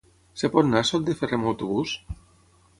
Es pot anar a Sot de Ferrer amb autobús?